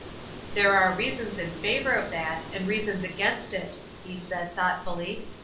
"There are reasons in favor of that, and reasons against it," he said, thoughtfully.